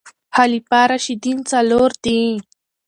خلفاء راشدين څلور دي